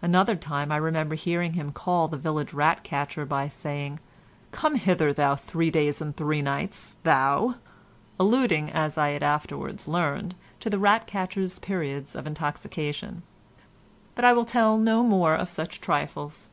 Another time I remember hearing him call the village rat catcher by saying, "Come hither, thou three days and three nights, thou," alluding, as I afterwards learned, to the rat catcher's periods of intoxication; but I will tell no more of such trifles.